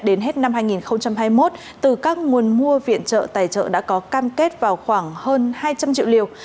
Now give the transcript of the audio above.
đến hết năm hai nghìn hai mươi một từ các nguồn mua viện trợ tài trợ đã có cam kết vào khoảng hơn hai trăm linh triệu liều